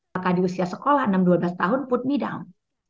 maka di usia sekolah enam dua belas tahun put me down